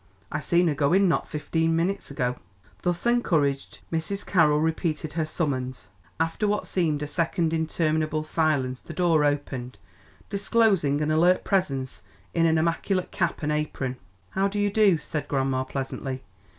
I seen her go in not fifteen minutes ago." Thus encouraged Mrs. Carroll repeated her summons. After what seemed a second interminable silence the door opened, disclosing an alert presence in an immaculate cap and apron. "How do you do?" said grandma pleasantly.